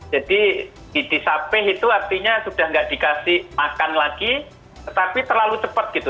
jadi disape itu artinya sudah tidak dikasih makan lagi tetapi terlalu cepat gitu